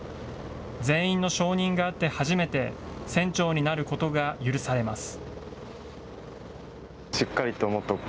全員の承認があって初めて船長になることが許されます。